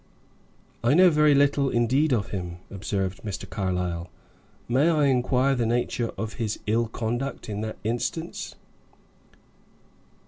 "I know very little indeed of him," observed Mr. Carlyle. "May I inquire the nature of his ill conduct in that instance?"